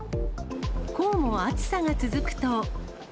こうも暑さが続くと。